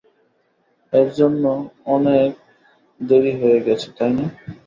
এর জন্য এখন অনেক দেরি হয়ে গেছে, তাই না?